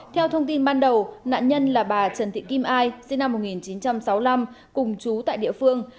theo thông tin ban đầu nạn nhân là bà trần thị kim ai sinh năm một nghìn chín trăm sáu mươi năm cùng chú tại địa phương